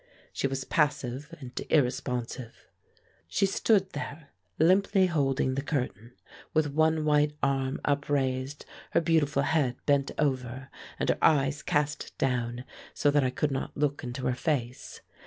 She was passive and irresponsive. She stood there, limply holding the curtain, with one white arm upraised, her beautiful head bent over and her eyes cast down so that I could not look into her face.